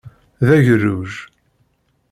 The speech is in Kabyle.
D agerruj!